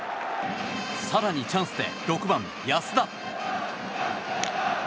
更にチャンスで６番、安田。